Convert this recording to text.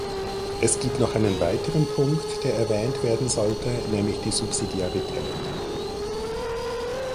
Es gibt noch einen weiteren Punkt, der erwähnt werden sollte, nämlich die Subsidiarität.